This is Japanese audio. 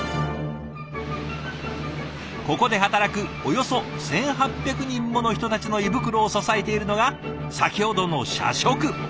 ここで働くおよそ１，８００人もの人たちの胃袋を支えているのが先ほどの社食。